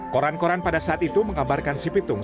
koran koran pada saat itu menggambarkan si pitung